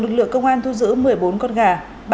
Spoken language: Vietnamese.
lực lượng công an thu giữ một mươi bốn con gà